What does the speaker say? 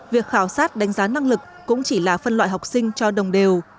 việc khảo sát đánh giá năng lực cũng chỉ là phân loại học sinh cho đồng đều